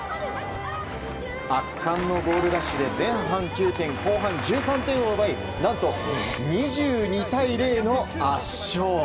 圧巻のゴールラッシュで前半９点後半１３点を奪い何と２２対０の圧勝。